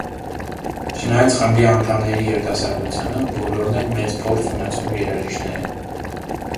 Չնայած խմբի անդամների երիտասարդությանը՝ բոլորն էլ մեծ փորձ ունեցող երաժիշտներ են։